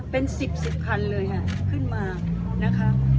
เป็นสิบสิบคันเลยฮะขึ้นมานะครับ